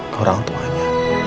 ke orang tuanya